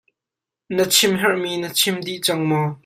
Na chim herhmi na chim dih cang maw?